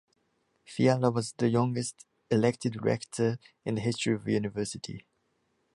Fiala was the youngest elected Rector in the history of University.